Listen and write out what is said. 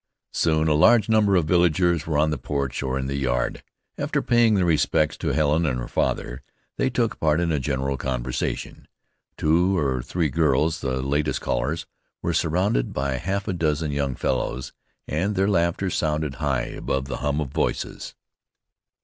Soon a large number of villagers were on the porch or in the yard. After paying their respects to Helen and her father they took part in a general conversation. Two or three girls, the latest callers, were surrounded by half a dozen young fellows, and their laughter sounded high above the hum of voices.